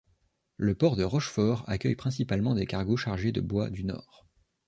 Le port de Rochefort accueille principalement des cargos chargés de bois du Nord.